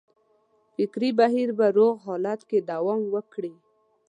فکري بهیر په روغ حالت کې دوام وکړي.